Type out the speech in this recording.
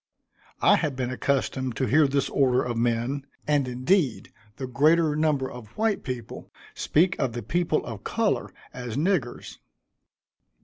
I had been accustomed to hear this order of men, and indeed the greater number of white people speak of the people of color as niggers.